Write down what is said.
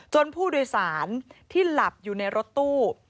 ผู้โดยสารที่หลับอยู่ในรถตู้